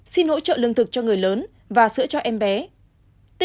xin hỗ trợ lương thực cho người lớn và sữa cho em bé